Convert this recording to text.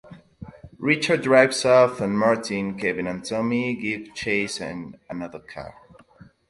Richard drives off and Martin, Kevin and Tommy give chase in another car.